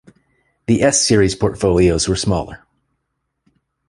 The S-Series portfolios were smaller.